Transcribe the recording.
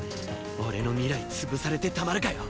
俺の未来潰されてたまるかよ！